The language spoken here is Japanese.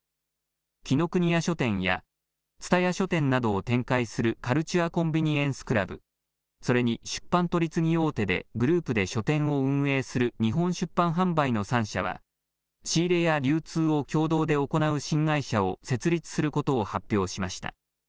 紀伊國屋書店や蔦屋書店などを展開するカルチュア・コンビニエンス・クラブ、それに出版取次大手でグループで書店を運営する日本出版販売の３社は仕入れや流通を共同で行う新会社を設立することを発表しました。